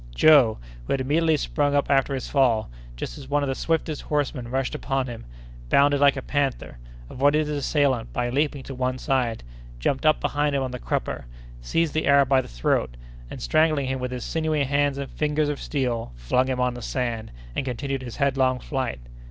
Joe, who had immediately sprung up after his fall, just as one of the swiftest horsemen rushed upon him, bounded like a panther, avoided his assailant by leaping to one side, jumped up behind him on the crupper, seized the Arab by the throat, and, strangling him with his sinewy hands and fingers of steel, flung him on the sand, and continued his headlong flight.